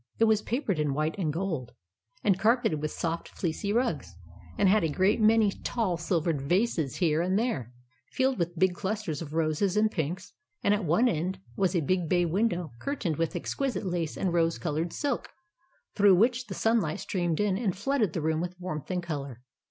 It was papered in white and gold, and car peted with soft, fleecy rugs, and had a great many tall, silver vases here and there, filled with big clusters of roses and pinks ; and at one end was a big bay window curtained with exquisite lace and rose coloured silk, through which the sunlight streamed in and flooded the room with warmth and colour.